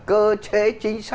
cơ chế chính sách là thể chế